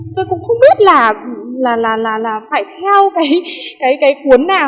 tôi cũng không biết là phải theo cái cuốn nào